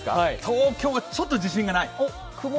東京はちょっと自信がない。